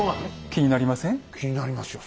気になりますよ